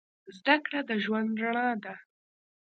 زدهکړه د ژوند رڼا ده